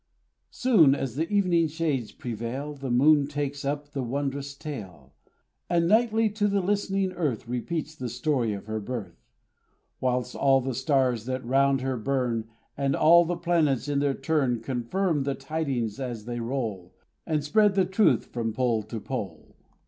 Soon as the evening shades prevail, The Moon takes up the wondrous tale; And nightly to the listening Earth Repeats the story of her birth: Whilst all the stars that round her burn, And all the planets in their turn, Confirm the tidings as they roll, And spread the truth from pole to pole.